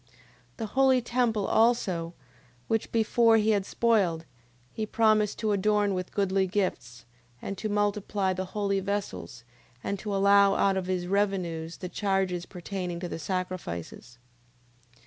9:16. The holy temple also, which before he had spoiled, he promised to adorn with goodly gifts, and to multiply the holy vessels, and to allow out of his revenues the charges pertaining to the sacrifices.